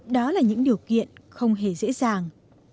đó là những điều kiện không hề dễ dàng